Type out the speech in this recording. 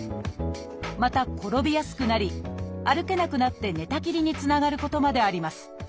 また転びやすくなり歩けなくなって寝たきりにつながることまであります。